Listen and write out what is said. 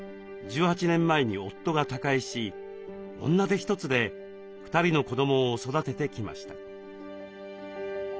１８年前に夫が他界し女手一つで２人の子どもを育ててきました。